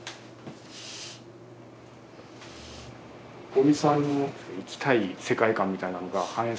五味さんの生きたい世界観みたいなのが反映されてるってこと？